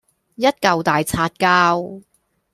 一嚿大擦膠